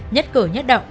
nhất cửa nhất động